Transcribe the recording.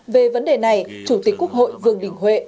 về vấn đề này chủ tịch quốc hội vương đình huệ